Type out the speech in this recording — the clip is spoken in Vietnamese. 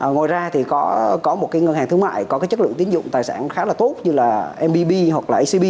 ngoài ra thì có một ngân hàng thương mại có chất lượng tín dụng tài sản khá là tốt như là mbb hoặc là ecb